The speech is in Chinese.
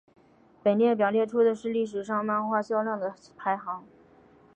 本列表列出的是历史上漫画销量的排行。